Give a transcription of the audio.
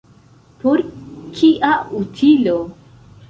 Por kia utilo?